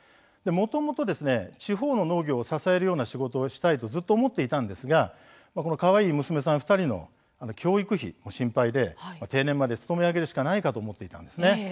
もともと地方の農業を支えるような仕事をしたいとずっと思っていたんですがかわいい娘さん２人の教育費も心配で定年まで勤め上げるしかないと思っていたんです。